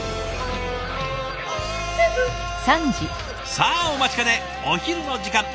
さあお待ちかねお昼の時間。